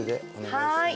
はい。